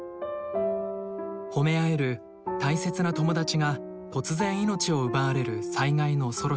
ほめ合える大切な友達が突然命を奪われる災害の恐ろしさ。